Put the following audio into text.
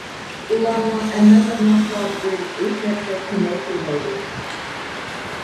ئۇلارنىڭ ئەمەللىرىنىڭ ساۋابىدىن ھېچ نەرسە كېمەيتىلمەيدۇ.